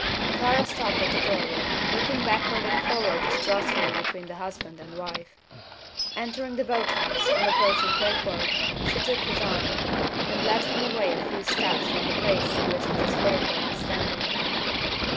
Clara stopped at the doorway, looking backward and forward distrustfully between the husband and wife. Entering the boat house, and approaching Crayford, she took his arm, and led him away a few steps from the place in which Mrs. Crayford was standing.